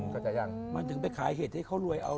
ก็ยังมันถึงไปขายเห็ดให้เขารวยเอา